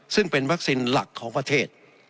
ซึ่งเป็นวัคซีนหลักของประเทศ